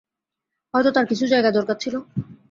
হয়তো তার কিছু জায়গা দরকার ছিল।